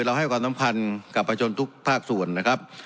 ให้ความสำคัญกับประชนทุกภาคส่วนนะครับ